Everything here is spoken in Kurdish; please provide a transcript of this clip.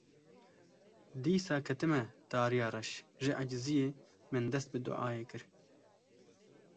Dîsa ketime tariya reş, ji eciziyê min dest bi duayê kir